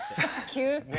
急。